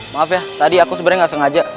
maaf ya tadi aku sebenarnya gak sengaja